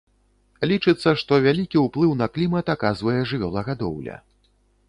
Лічыцца, што вялікі ўплыў на клімат аказвае жывёлагадоўля.